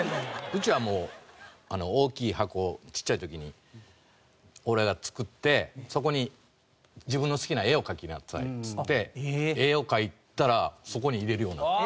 うちはもう大きい箱ちっちゃい時に俺が作ってそこに自分の好きな絵を描きなさいっつって絵を描いたらそこに入れるようになった。